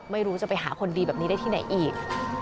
ไม่รู้จะไปหาคนดีแบบนี้ได้ที่ไหนอีก